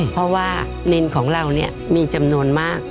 เพราะว่านินของเราเนี่ยมีจำนวนมาก